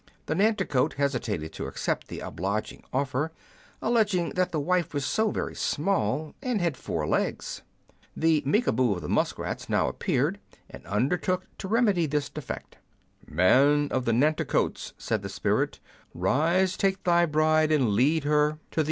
The Nanticoke hesitated to accept the obliging offer, alleging that the wife was so very small, and had four legs. The Micabou of the musk rats now appeared, and undertook to remedy this defect. " Man of the Nanticokes," said the spirit, " rise, take thy bride and lead her to the I 12 What are Women Made of?